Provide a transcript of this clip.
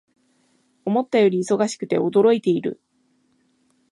思ったより忙しくて驚いている